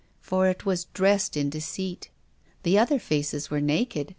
For it was dressed in deceit. The other faces were naked.